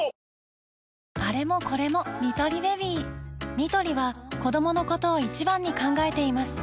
ニトリは子どものことを一番に考えています